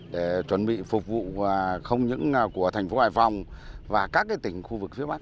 để chuẩn bị phục vụ không những của thành phố hải phòng và các tỉnh khu vực phía bắc